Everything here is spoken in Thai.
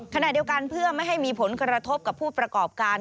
ขณะเดียวกันเพื่อไม่ให้มีผลกระทบกับผู้ประกอบการ